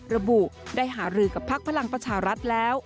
ระบุได้หารือกับพักพลังประชารัฐแล้ว